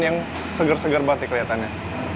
yang segar segar banget nih keliatannya